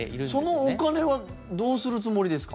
そのお金はどうするつもりですか？